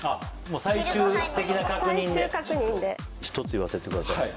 もう最終的な確認で最終確認で一つ言わせてください